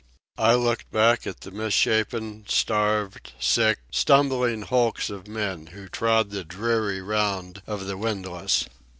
I looked back at the misshapen, starved, sick, stumbling hulks of men who trod the dreary round of the windlass.